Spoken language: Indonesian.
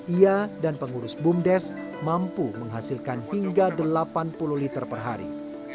ia dan pengurus bumdes mampu menghasilkan hingga delapan puluh liter per hari